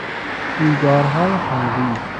جویبارهای همریز